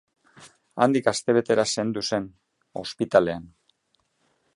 Handik astebetera zendu zen, ospitalean.